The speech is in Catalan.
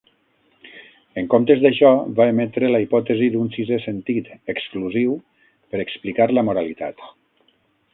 En comptes d'això, va emetre la hipòtesi d'un "sisè sentit" exclusiu per explicar la moralitat.